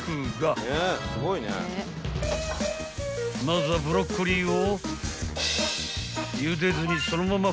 ［まずはブロッコリーを］